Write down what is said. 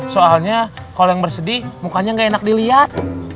soalnya kalau yang bersedih mukanya nggak enak dilihat